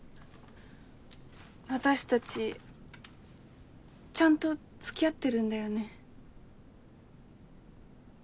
私達ちゃんと付き合ってるんだよね？